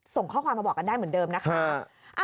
ส่งข้อความมาบอกกันได้เหมือนเดิมนะคะ